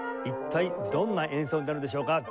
一体どんな演奏になるんでしょうか？